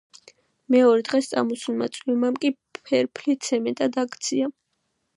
მეორე დღეს წამოსულმა წვიმამ კი ფერფლი ცემენტად აქცია.